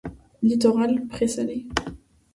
Littoral, prés salés.